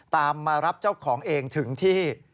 ตามมารับเจ้าของเองถึงที่